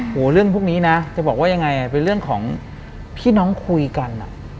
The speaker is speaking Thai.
หลังจากนั้นเราไม่ได้คุยกันนะคะเดินเข้าบ้านอืม